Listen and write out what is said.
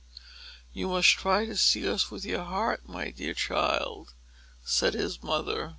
"You must try to see us with your heart, my dear child," said his mother.